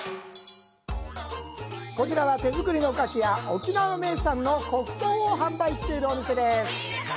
こちらは手作りのお菓子や沖縄の名産の黒糖を販売しているお店です。